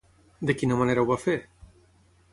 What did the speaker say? De quina manera ho va fer?